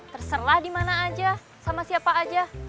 terserah dimana aja sama siapa aja